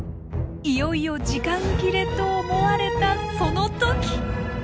いよいよ時間切れと思われたその時。